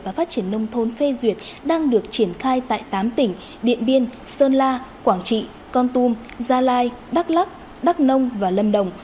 và phát triển nông thôn phê duyệt đang được triển khai tại tám tỉnh điện biên sơn la quảng trị con tum gia lai đắk lắc đắk nông và lâm đồng